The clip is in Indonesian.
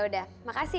oh ya udah makasih ya